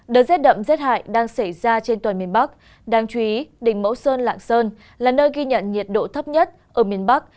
đợt rét đậm rét hại đang xảy ra trên toàn miền bắc đáng chú ý đình mẫu sơn lạng sơn là nơi ghi nhận nhiệt độ thấp nhất ở miền bắc